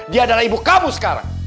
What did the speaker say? dia adalah ibu kamu sekarang